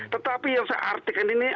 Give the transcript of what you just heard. tetapi yang saya artikan ini